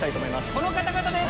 この方々です！